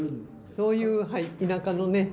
そういうはい田舎のね